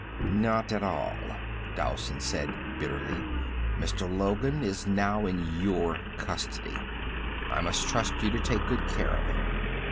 "Not at all," Dowson said bitterly. "Mr. Logan is now in your custody. I must trust you to take good care of him."